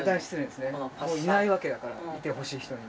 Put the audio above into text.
もういないわけだからいてほしい人に。